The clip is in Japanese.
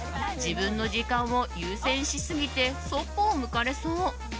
自分の時間を優先しすぎてそっぽを向かれそう。